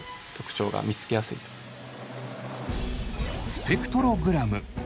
スペクトログラム。